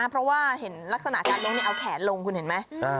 เพราะว่าเห็นลักษณะการลงเอาแขนลงคุณเห็นไหม